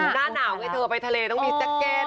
หน้าหนาวไงเธอไปทะเลต้องมีแจ็คเก็ต